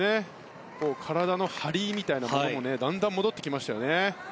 体のハリみたいなものもだんだん戻ってきましたよね。